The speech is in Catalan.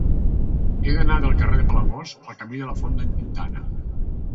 He d'anar del carrer de Palamós al camí de la Font d'en Quintana.